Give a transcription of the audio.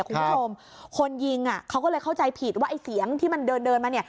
คุณผู้ชมคนยิงอ่ะเขาก็เลยเข้าใจผิดว่าไอ้เสียงที่มันเดินเดินมาเนี่ย